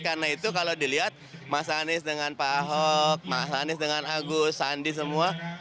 karena itu kalau dilihat mas anies dengan pak ahok mas anies dengan agus sandi semua